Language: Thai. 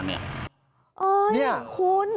นี่คุณ